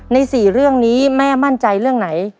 ๔เรื่องนี้แม่มั่นใจเรื่องไหน